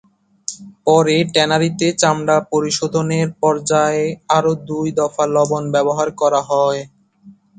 পরে ট্যানারিতে চামড়া পরিশোধনের পর্যায়ে আরও দুই দফা লবণ ব্যবহার করা হয়।